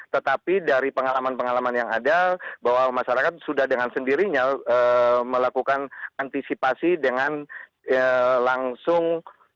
tetapi dari pengalaman pengalaman yang ada bahwa masyarakat sudah dengan sendirinya melakukan antisipasi dengan langsung